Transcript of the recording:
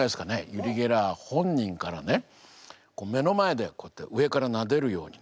ユリ・ゲラー本人からね目の前で上からなでるようにね